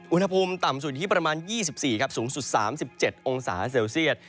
อุณหภูมิต่ำสุดอยู่ที่ประมาณ๒๔องศาเซลเซียต